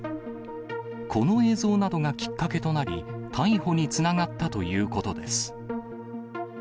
この映像などがきっかけとなり、逮捕につながったということです。